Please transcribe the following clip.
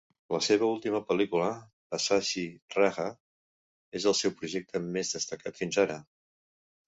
La seva última pel·lícula, "Pazhassi Raja", és el seu projecte més destacat fins ara.